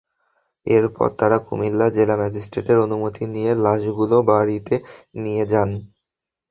এরপর তাঁরা কুমিল্লা জেলা ম্যাজিস্ট্রেটের অনুমতি নিয়ে লাশগুলো বাড়িতে নিয়ে যান।